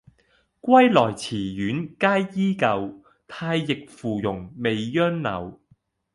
歸來池苑皆依舊，太液芙蓉未央柳。